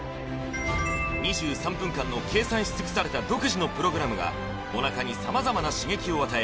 ２３分間の計算しつくされた独自のプログラムがおなかに様々な刺激を与え